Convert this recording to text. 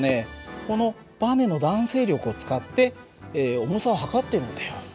このばねの弾性力を使って重さを測っているんだよ。